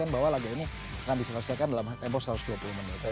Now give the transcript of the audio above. bahwa laga ini akan diselesaikan dalam tempo satu ratus dua puluh menit